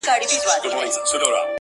يار عمر دراز مروته ګرم نه و